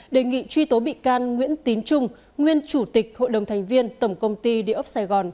đề nghị truy tố bị can nguyễn tín trung nguyên chủ tịch hội đồng thành viên tổng công ty địa ốc sài gòn